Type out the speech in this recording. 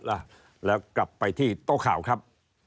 กลับไปที่โต๊ะข่าวครับ